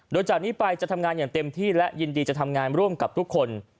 โดยจากนี้ไปจะทำงานอย่างเต็มที่และยินดีจะทำงานร่วมกับทุกคน